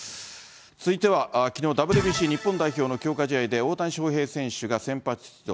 続いては、きのう、ＷＢＣ日本代表の強化試合で、大谷翔平選手が先発出場。